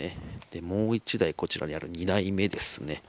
もう１台、こちら２台目ですね。